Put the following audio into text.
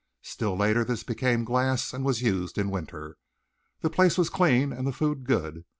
Still later this became glass and was used in winter. The place was clean and the food good.